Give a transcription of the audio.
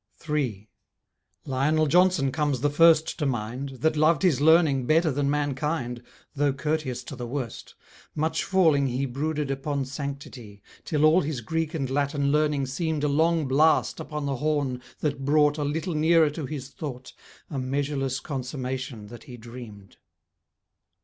3 Lionel Johnson comes the first to mind, That loved his learning better than mankind, Though courteous to the worst; much falling he Brooded upon sanctity Till all his Greek and Latin learning seemed A long blast upon the horn that brought A little nearer to his thought A measureless consummation that he dreamed.